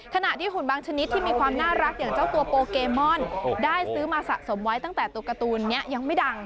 ขณะที่หุ่นบางชนิดที่มีความน่ารักอย่างเจ้าตัวโปเกมอนได้ซื้อมาสะสมไว้ตั้งแต่ตัวการ์ตูนนี้ยังไม่ดัง